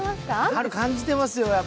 春、感じてますよ。